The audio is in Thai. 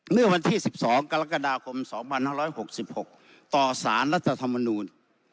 เมื่อวันที่สิบสองกรกฎาคมสองพันห้าร้อยหกสิบหกต่อสารรัฐธรรมนูล